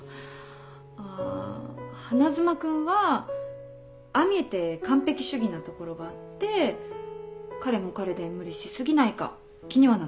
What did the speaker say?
あ花妻君はああ見えて完璧主義なところがあって彼も彼で無理し過ぎないか気にはなってる。